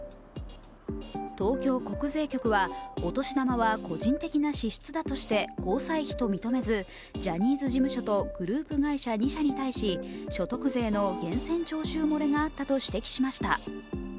東京国税局はお年玉は個人的な支出だとして交際費として認めずジャニーズ事務所とグループ会社２社に対し所得税の源泉徴収漏れがあったと指摘しました。